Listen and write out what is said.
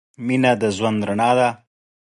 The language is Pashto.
مینه د ژوند رڼا ده.